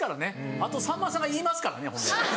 あとさんまさんが言いますからねほんで。